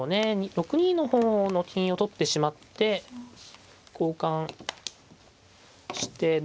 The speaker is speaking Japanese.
６二の方の金を取ってしまって交換して同玉で。